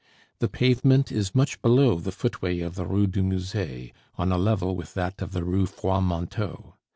The pavement is much below the footway of the Rue du Musee, on a level with that of the Rue Froidmanteau.